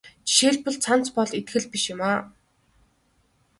Жишээлбэл цамц бол итгэл биш юм.